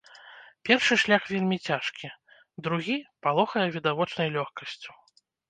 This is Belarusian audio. Першы шлях вельмі цяжкі, другі палохае відавочнай лёгкасцю.